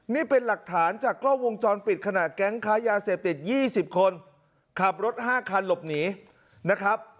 นี่เป็นหลักฐานจากกล้องวงจรปิดขณะแก๊งค้ายาเสพติด๒๐คนขับรถ๕คันหลบหนีนะครับ